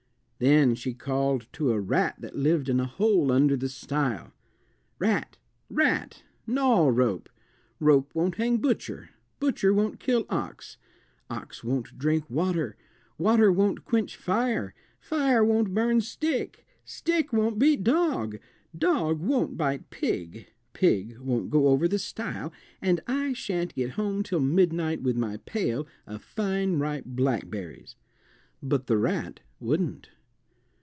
Then she called to a rat that lived in a hole under the stile, "Rat, rat, gnaw rope; rope won't hang butcher, butcher won't kill ox, ox won't drink water, water won't quench fire, fire won't burn stick, stick won't beat dog, dog won't bite pig, pig won't go over the stile, and I shan't get home till midnight with my pail of fine ripe blackberries." But the rat wouldn't.